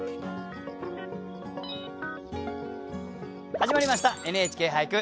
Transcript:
始まりました「ＮＨＫ俳句」。